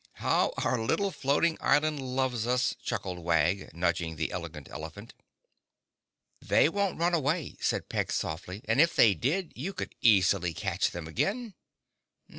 "How our little floating island loves us," chuckled Wag, nudging the Elegant Elephant. "They won't run away," said Peg softly. "And if they did you could easily catch them again."